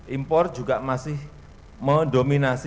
impor juga masih mendominasi